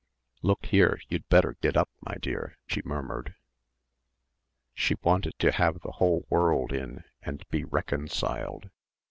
"Look here, you'd better get up, my dear," she murmured. She wanted to have the whole world in and be reconciled.